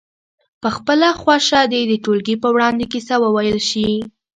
په خپله خوښه دې د ټولګي په وړاندې کیسه وویل شي.